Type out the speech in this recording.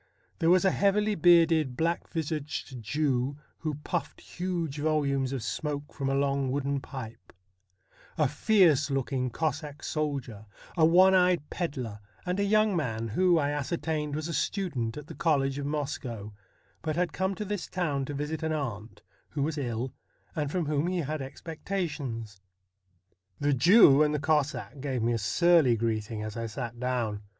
There was a heavily bearded, black visaged Jew, who puffed huge volumes of smoke from a long wooden pipe ; a fierce looking Cossack soldier, a one eyed pedlar, and a young man, who, I ascertained, was a student at the college of Moscow, but had come to this town to visit an aunt, who was ill, and from whom he had expectations. The Jew and the Cossack gave me a surly greeting as I sat down.